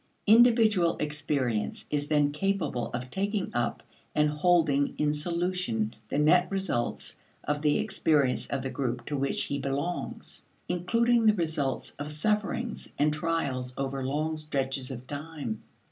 Individual experience is then capable of taking up and holding in solution the net results of the experience of the group to which he belongs including the results of sufferings and trials over long stretches of time.